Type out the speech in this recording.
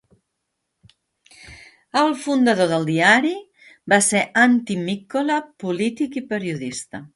El fundador del diari va ser Antti Mikkola, polític i periodista.